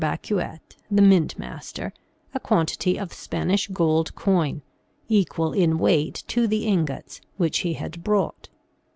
Bacuet, the mint master, a quantity of Spanish gold coin, equal in weight to the ingots which he had brought.